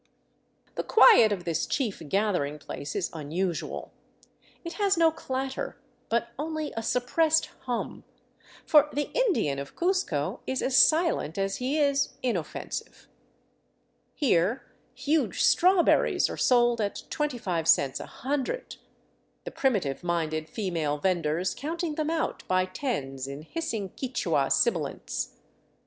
The quiet of this chief gathering place is unusual. It has no clatter, but only a suppressed hum ; for the Indian of Cuzco is as silent as he is inoffensive. Here huge strawberries are sold at twenty five cents a hundred, the primitive minded female vendors counting them out by tens in hissing Quichua sibilants.